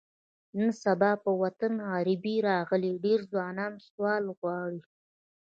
نن سبا په وطن غریبي راغلې، ډېری ځوانان سوال غواړي.